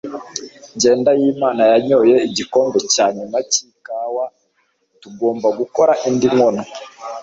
Jyendayimana yanyoye igikombe cya nyuma cyikawa. Tugomba gukora indi nkono.